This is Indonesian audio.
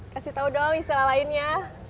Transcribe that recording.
kasih tahu dong istilah lainnya